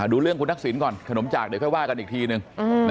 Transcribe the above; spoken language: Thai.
ดูเรื่องคุณทักษิณก่อนขนมจากเดี๋ยวค่อยว่ากันอีกทีนึง